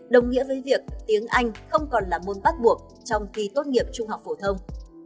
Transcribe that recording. đồng nghĩa với việc tiếng anh không còn là môn bắt buộc trong thi tốt nghiệp trung học phổ thông